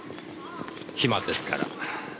暇ですから。